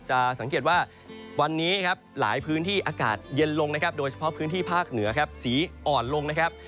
จะสังเกตว่าวันนี้ครับหลายพื้นที่อากาศเย็นลงนะครับโดยเฉพาะพื้นที่ภาคเหนือครับสีอ่อนลงนะครับ